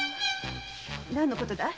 何のことだい？